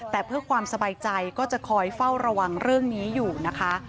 แต่เพื่อความสบายใจก็จะคอยเฝ้าระวังเรื่องนี้อยู่นะคะ